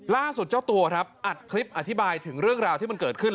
เจ้าตัวครับอัดคลิปอธิบายถึงเรื่องราวที่มันเกิดขึ้น